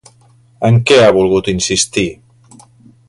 En què ha volgut insistir?